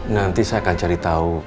nanti saya akan cari tahu